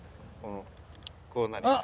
こうなります。